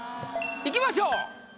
いきましょう。